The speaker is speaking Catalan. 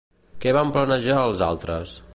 Què van planejar els altres?